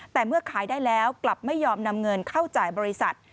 แต่เมื่อขายได้แล้วกลับไม่ยอมนำเงินเข้าจ่ายบริษัท